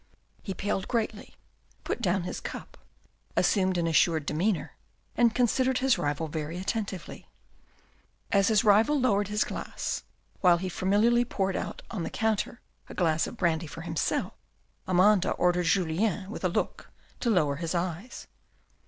He paled greatly, put down his cup, assumed an assured demeanour, and considered his rival very attentively. As this rival lowered his head, while he familiarly poured out on the counter a glass of brandy for himself, Amanda ordered Julien with a look to lower his eyes.